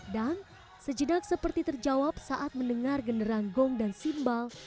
dan sejenak seperti terjawab saat mendengar generang gong dan simbal